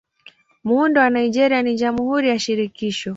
Muundo wa Nigeria ni Jamhuri ya Shirikisho.